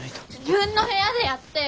自分の部屋でやってよ。